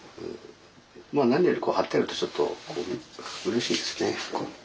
まあ何よりこう貼ってあるとちょっとうれしいですね。